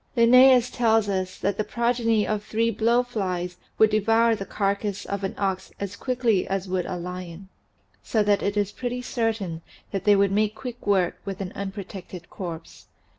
Linnaeus tells us that the progeny of three blowflies would devour the carcass of an ox as quickly as would a lion. So that it is pretty certain that they would make quick work with an unprotected corpse.